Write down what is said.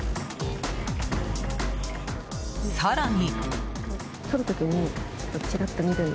更に。